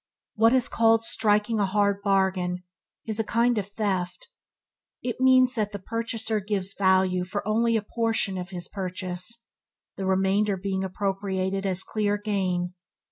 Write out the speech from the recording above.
What is called "striking a hard bargain" is a kind of theft. It means that the purchaser gives value for only a portion of his purchase, the remainder being appropriated as clear gain.